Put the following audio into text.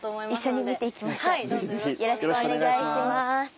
よろしくお願いします！